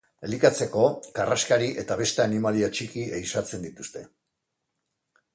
Elikatzeko karraskari eta beste animalia txiki ehizatzen dituzte.